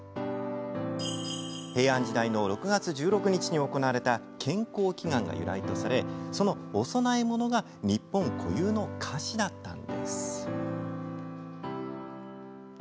平安時代の６月１６日に行われた健康祈願が由来とされそのお供えものが日本固有の菓子だったんです。